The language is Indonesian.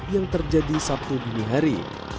yang terjadi sabtu dini hari